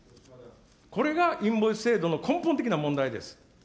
これがインボイス制度の根本的な問題です。